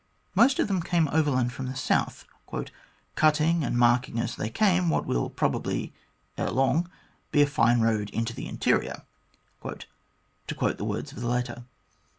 Most of them came overland from the south, " cutting and marking as they came what will probably be ere long a fine road into the interior," to quote the words of the letter.